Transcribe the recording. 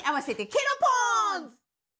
ケロポンズ！